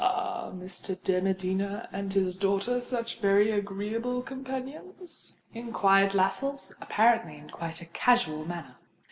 "Are Mr. de Medina and his daughter such very agreeable companions?" inquired Lascelles, apparently in quite a casual manner.